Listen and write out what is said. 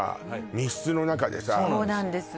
密室の中でさそうなんです